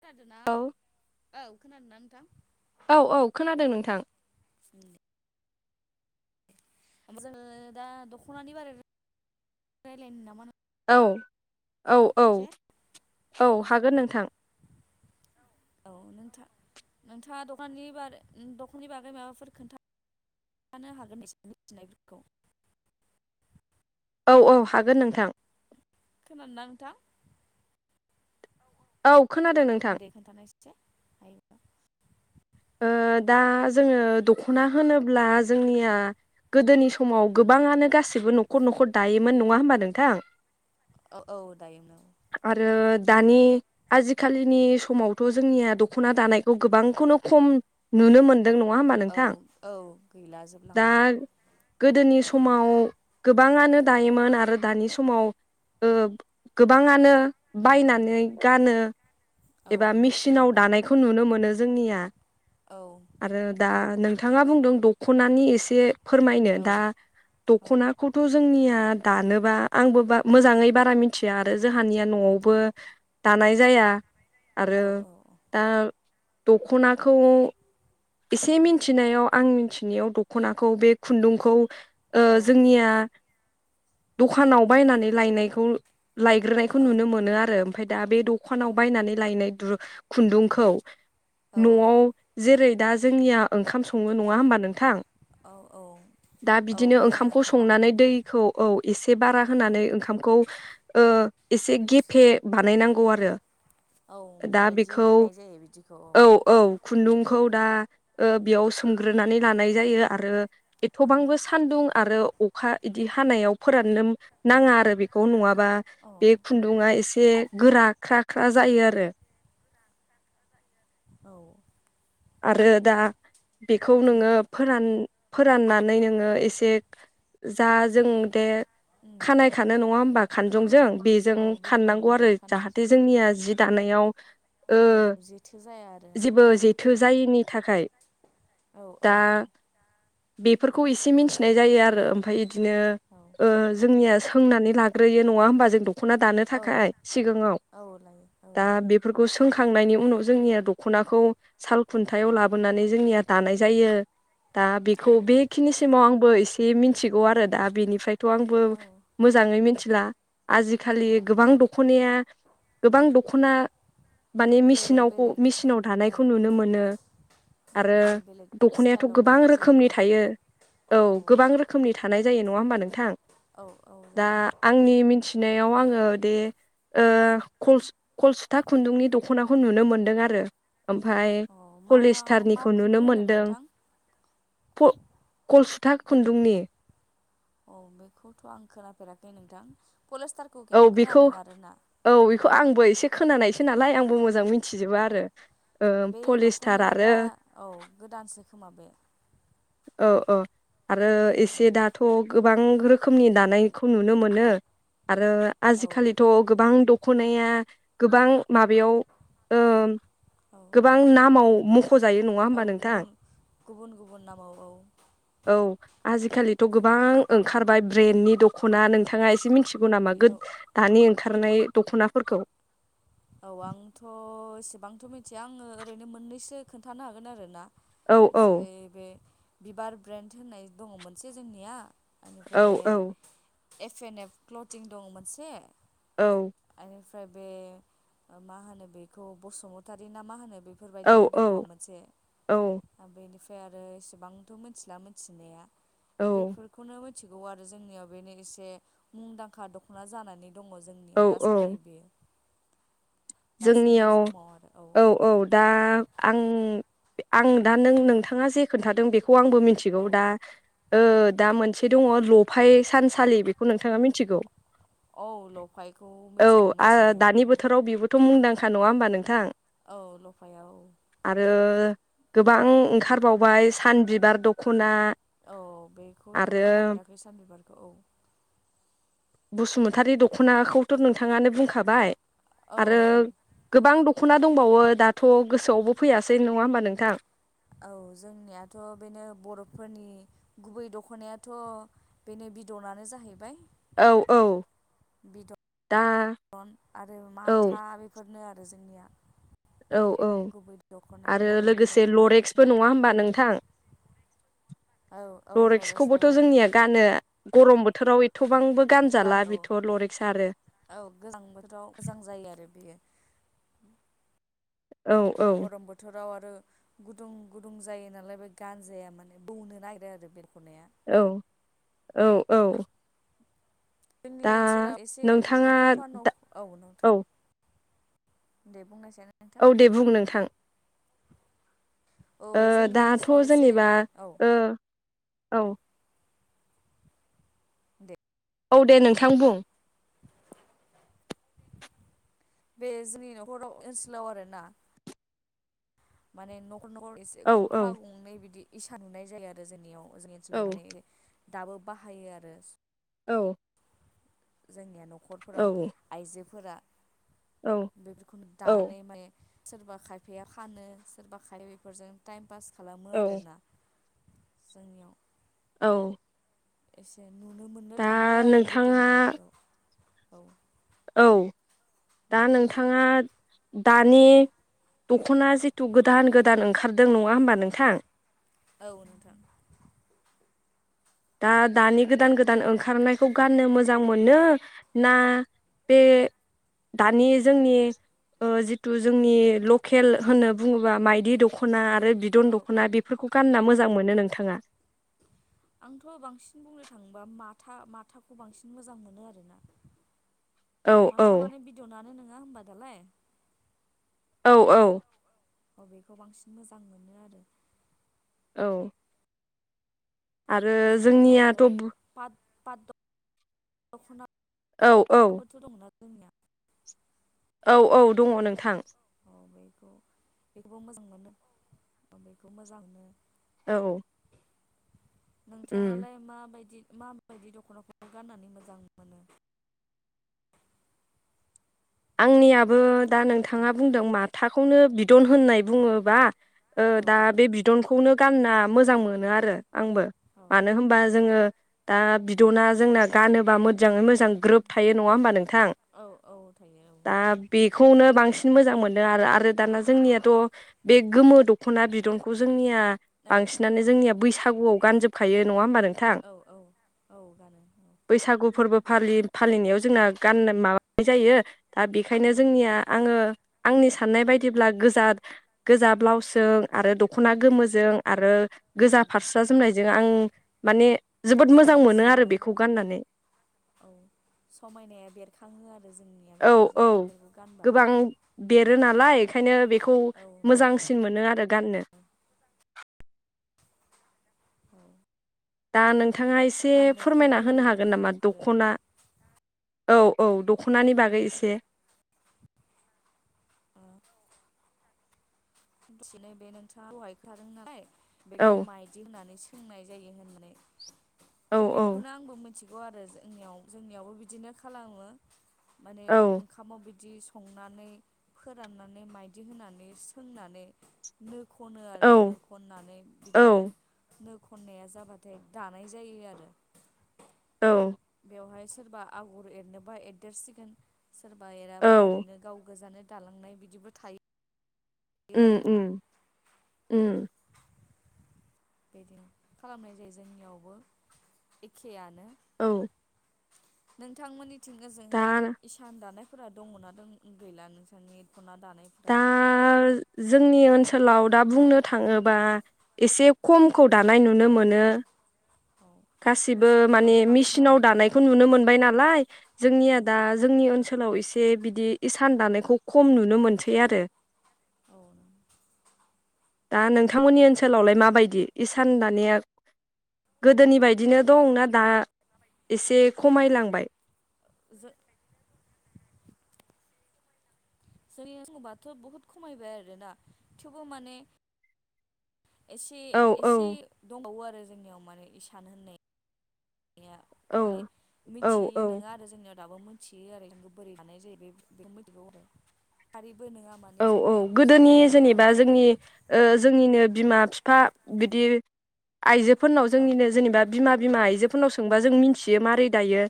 खोनादों ना? औ औ खोनादों [unintelligible] औ औ खोनादों नोंथां। जोङो दा दख'नानि बारै रायलायनो नामा? नोंथां एसे औ-औ-औ-औ हागोन नोंथां। औ नोंथा नोंथाङा दखाननि बार दखननि बागै माबाफोर खोन्था [inaudible] नो हागोन मोनथिनायफोरखौ? औ औ हागोन नोंथां। खोनादोंना नोंथांङा? औ खोनादों नोंथां दे खोन्थानायसाय हायो [inaudible] ओ दा जोङो दख'ना होनोब्ला जोंनिया गोदोनि समाव गोबाङानो गासैबो न'खर न'खर दायोमोन। नङा होमबा नोंथां? औ औ दायोमोन। आरो दानि आजिखालिनि समावथ' जोंनिया दख'ना दानायखौ गोबांखौनो खम नुनो मोन दों। नङा होमबा औ नोंथां? औ गैला दा जोबलांबाय गोदोनि उम समाव गो बाङानो दायोमोन आरो दानि समाव ओ गोबाङानो उम उम बायनानै गानो औ एबा मेचिनाव दानाय दानायखौ नुनो मोनो। जोंनिया औ आरो दा नों थाङा बुंदों दख'नानि एसे फोरमायनो औ दा औ दखनाखौथ जोंनिया दानोबा आंबो बा मोजाङै बारा मिथिया आरो जोंहानिया न'आवबो दानाय जाया। औ आरो औ दा दखनाखौ एसे उम मिनथिनायाव आं मिथिनायाव दखनाखौ बे खुन्दुंखौ ओ औ जोंनिया दखानाव बायनानै लायनायखौ लायग्रोनायखौ औ नुनो मोनो आरो ओमफ्राय दा बे दखानाव बायनानै लायनाय दु खुन्दुंखौ न'आव औ जेरै दा जोंनिया ओंखाम सङो। नङा होमबा नोंथां? औ औ दा औ बिदिनो बे ओंखामखौ ओंखामाव संनानै दैखौ औ एसे बारा औ होनानै ओंखामखौ ओह एसे गेफे बानायनांगौ आरो औ दा माइदि बेखौ होनाय जायो बिदिखौ औ औ खुन्दुंखौ ओ बेयाव सोमग्रोनानै लानाय जायो आरो एथ'बांबो सान्दुं आरो अखा इदि हानायाव फोराननो नाङा आरो बेखौ नङाब्ला बा औ बे खुन्दुं आ एसे गोरा ख्रा ख्रा जायो आरो। ओउ। आरो दा बेखौ उम नोङो फोरान। फोरान्नानै नोङो एसे जा जों दे उम खानाय खानो नङा होमबा खानजंजों बेजों औ बिदि औ खाननांगौ आरो जाहाथे जोंनिया जि दानायाव ओउ जेथो जाया आरो। थो जायिनि थाखाय दा औ बेफोरखौ एसे मिथिनाय जायो आरो ओमफ्राय बिदिनो औ ओ जोंनिया सोंनानै लाग्रोयो नङा होमबा जों द दखना दानो औ थाखाय सिगाङाव औ औ लायो औ दा लायो बेफोरखौ सों खांनायनि उनाव जोंनिया दख'नाखौ साल खुन्थायाव उम लाबोनानै जोंनिया दानाय जायो दा बेखौ औ बेखिनिसिाव आंबो एसे मिन्थिगौ आरो दा बेनिफ्राय 'थ आंबो मोजाङै मिथि फ्ला आजिखालि औ गोबां दखनाया गोबां दखना माने बेलेग मेसिनाव ह बेलेग मेसिनाव धानाय औ खौ नुनो मोनो आरो बेलेग बेलेग दख'नायाथ' स्टाइलाव गोबां दानाय जायो रोखोमनि थायो औ गोबां रोखोमनि थानाय जायो नङा होमबा नों थां औ औ दा जायो आंनि मिथिनायाव आङो दे ओ कस-कलसुथा खुन्दुंनि दख'नाखौ नुनो मोनदों आरो ओमफ्राय अ मा मा पलिस्टारनिखौ नुनो खुन्दुं होनदों मोनदों नोंथां [unintelligible] खोथा खुन्दुंनि औ बेखौथ' आं खोनाफेराखै नोंथां पलेस्टारखौ औ खिन्थु बेखौ खोनादों आरोना औ बेखौ आंबो इसे खोना नायस नालाय आंबो मोजां मोन औ बे द'खनाया दा आरो औ गोदानसो खोमा बे। ओ ओ आरो औ एसे दाथ' गोबां रोखोमनि दानायखौ नुनो मोनो, आरो औ आजिखालिथ' गोबां दं द'खनाया गोबां माबायाव ओ औ गोबां नामाव, [unintelligible] औ होमबा नोंथां गुबुन गुबुन गुबुन नाव औ आजि खालिथ' गोबां ओंखारबाय ब्रे नि दख'ना नोंथाङा एसे, मिथिगौ नामा ब्रेन्डनि गो औ दानि ओंखारनाय दख'नाफोरखौ औ आंथ' एसेबांथ' आङो ओरैनो मोननैसो खोनन्थानो हागोन आरो ना, औ औ जेरै बे बिबार ब्रेन्ड होननाय दङ मोनसे जोंनिया। ओनिफ्राय औ बे औ एपेन एफ क्लटिं दं मोनसे, औ। निफ्राय बे मा होनो बेखौ बसुमतारी ना मा होनो, बेफोर औ बायदिबो दङ मोनसे औ बेनिफ्रा ओमफ्राय आरो एसेबांथ' मिथिला मिथिनाया, बेफोरखौनो मिथिगौ आरो जोंनियाव बेनो एसे मुंदांखा दख'ना जानानै, दङ औ जोंनियाव औ दासान्दि बेयो, दासान्दि जोंनियाव समाव आरो औ औ दा आं आं दा नों नोंथाङा जे खोन्थादों बेख खौ आंबो मिथिगौ औ दा ओ औ दा मोनसे, दङ लफाय सानसालि बेखौ नोंथाङा मिथिगौ, औ लफायखौ मिथिगौ मिथिनाया, थ' मुंदांखा नङा होनोमबा नोंथां? औ ल'फायाव औ आरो गोबां ओंखारबावबाय सान बिबार दखना खना औ बेखौथ' खोनाफेराखै सानबिबार बसुमतारि दख'नाखौथ' नोंथाङानो बुंखाबाय औ आरो औ गोबां दखना दंबावो दाथ गोसोआवबो फैयासै नङा होमबा नोंथां औ जोंनियाथ' बेनो बर'फोरनि गुबै दख'नायाथ' बेनो बिदनानो जाहैबाय औ औ दा। न आरो औ माथा बेफोर हरनो आरो जोंनिया औ औ गुबै दख'नाया आरो बर'नि लोगोसे दख'ना लरेक्सबो नङा बुंबाथाय होमबा नोंथां औ औ लरेन्सआबो लरेक्सखौबोथ' जोंनिया गानो गरम बोथोराव एथ' गानो औ औ गोजां बोथोराव गोजां जायो आरो बेयो औ औ गरम बोथोराव आरो। आरो गुदुं गुदुं जायो नालाय बे गानजाया माने बौनो नागिरो आरो बेरख'नाया औ औ औ। जोंनि दा ओनसोलाव एसे नोंथाङा न'खरफा' दा औ नोंथां। दे बुं औ दे बुं नोंथां। औ ओ बे जोंनि दाथ' ओनसोलाव एसे जेनेबा औ ओ। औ। औ दे नोंथां बुं। बे जोंनि नखराव ओनसोलाव आरोना माने नखरनखर एसे औ औ गंफा गंनै बिदि इसा नुनाय जायो आरो जोंनियाव जोंनि औ ओनसोलाव माने दाबो बाहायो आरो। औ। जोंनिया न'खर। न'खरफोराव आइजो। फोरा औ बेफोरखौनो औ दानाय मे सोरबा खायफाया फानो सोरबा खाय बेफोरजों टाइम पास खालामो औ आरोना जोंनियाव औ। एसे नुनो मोननो दा थाङो आरो नोंथाङा गोदोनि बायदियाव। औ। औ दा नोंथाङा दानि दख'ना जिथु गोदान गोदान ओंखारदों नङा होमबा नोंथां औ नोंथां। दा दानि गोदान गोदान ओंखारनायखौ गाननो मोजां मोनो ना बे दानि औ जोंनि ओ जिथु जोंनि ल खेल होनना बुङोबा मायदि द खना बिदन औ औ दख'ना बेफोरखौ गानना मो जां मोनो नोंथाङा? आंथ' बांसिन बुंनो थाङोबा माथा माथाखौ बांसिन मोजां मोनो आरोना। औ औ माथाम माने बिदननानो नो ङा होनबा दालाय। औ औ। अ बेखौ बांसिन मोजां मोनो आरो औ। आरो जोंनियाथ' बहु पात [unintelligible] दखना औ औ। जोंनिया? औ औ दङ नोंथां। अ बेखौ बेखौबो मोजां मोनो औ बेखौ मोजां मोनो। औ। उम नोंथाङालाय माबायदि माबायदि दख'नाखौ गाननानै मोजां मोनो? आंनिया बो औ दा औ नोंथाङा बुंदों माथाखौनो बि दन होननाय बुङोब्ला ओ दा औ बे बिदनखौनो गानना मोजां मोनो आरो आंबो। औ मानो होनबा जोङो दा बिद'ना जोंना गानोबा मो जांङै मोजां ग्रोब थायो नङा होमबा नोंथां। औ औ थायो दा बेखौ नो बांसिन मोजां मोनो आरो आरो दाना जोंनियाथ' बे गोमो दख'ना बिदखौ जोंनिया औ बांसिनानो जोंनिया बैसाग फागुआव गानजोबखायो नङा होनबा नों औ औ औ गानो औ फालिर फालिनायाव जोंना गान माबानाय जायो। दा बेखायनो उम जोंनिया आङो। आंनि साननाय बायदिब्ला गोजा गोजा ब्लाउसजों आरो दख'ना गोमोजों आरो गोजा उम फारस्रा जोमनायजों आं माने जोबोद मोजां मोनो आरो समायसिनो बेखौ गाननानै आरो औ समायनाया बेरखाङो आरो जोंनि औ-औ गोबां देरो नालाय ओंखायनो बेखौ औ बेरखाङो मोजांसिन मोनो। आरो गाननो औ दा नों थाङा एसे गाननायावबो फोरमायना गुरै होनो हागोन जाहैयो नामा बेफोरो दख'ना औ-औ दखनानि बागै एसे [inaudible] बिसिनो बे नोंथाङा दहाय खोथादों नालाय औ बेखौ माइदि होननानै बुंनाय जायो होननानै औ बेखौनो आंबो मोन थिगौ आरो जोंनियाव जोंनियावबो बिदिनो खालामो माने औ ओंखामाव बि दि संनानै फोराननानै माइदि होनानै सोंनानै नो खनो आरो औ नो खननानै बिदिनो औ नो खननाया जाबाथाय दानाय जायो आरो औ। बेयावहाय सोरबा आगर एरनोबा एरदेरसिगोन। सोरबा एराबा औ ओरैनो गाव गोजानो दालांनाय बिदिबो थायो। उन आरोना उम उम बेदिनो खालामनाय जायो जोंनियावबो एखेयानो औ नोंथांमोननि थिं दा ओजोंहाय इसान दानाय फोरा दङना दं गैला नोंसानि दखना दानाय दा जोंनि ओनसोलाव दा बुंनो थाङोबा एसे खमखौ दानाय नुनो मोनो। औ गासिबो माने मेचिनफोरावनो बांसिन मेचिनाव आरोना दानायखौ नुनो मोनबाय नालाय जोंनिया दा जोंनि ओनसोलाव एसे बिदि इसान दानायखौ खम नुनो मोनसै आरो। औ दा नोंथांमोननि ओनसोलावलाय माबायदि इसान दानाया गो दोनि बायदिनो दं ना दा एसे खमायलांबाय? जो [unintelligible] बहुद खमायबाय आरोना थेवबो माने एसे औ औ एसे दंबावो आरो आरो जोंनियाव माने इसान होननाय या औ मि औ मिथियै औ नङा आरो जोंनियाव दाबो मोनथियो आरो जोंखौ बोरै हानाय जायो बे बेखौ मिथिग फारि औ औ गोदोनि जेनेबा आरो जोंनि ओ औ जोंनिनो बिमा फिफा बिदि आइजोफोरनाव औ जोंनिनो जेनेबा बिमा बिमा आइजोफोरनाव सोंबा जों मिथियो मारै दायो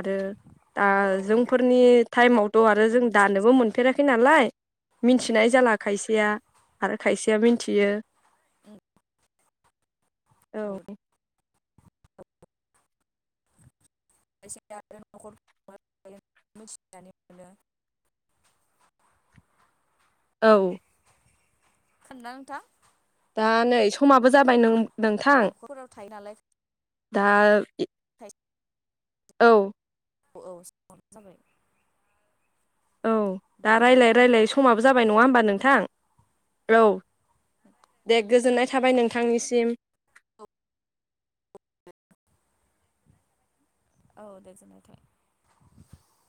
आरो दा औ औ जोंफोरनि औ टाइमावथ आरो औ जों मिथिनाय दानोबो जायो मोनफेराखै नालाय मिथिनाय जाला खायसेया आरो खायसेया मिथियो उम औ एसे आरो नखर [unintelligible] मिथिनानै मोनो औ खोनदा नोंथां? दा नै स समाबो जाबाय औ नों-नोंथां न'खरफोराव थायो नालाय दा इ खायसे औ औ औ सोंहरबानो जाबाय औ दे दा होमबा ना रायलायै नोंथां रायलायै समाबो जाबाय नङा होमबा नोंथां? औ दे गोजोननाय थाबाय नोंथांनिसिम। औ औ दे जागोन नोंथां